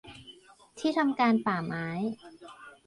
ที่ทำการป่าไม้